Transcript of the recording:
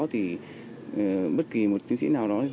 thì bất kỳ một chiến sĩ nào đó